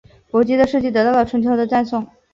伯姬的事迹得到了春秋的赞颂。